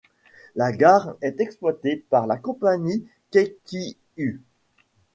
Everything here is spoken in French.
La gare est exploitée par la compagnie Keikyū.